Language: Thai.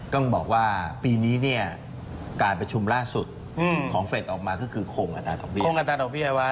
ต้องบอกว่าปีนี้เนี่ยการประชุมล่าสุดของเฟศออกมาก็คือโครงอาตาตกเบียก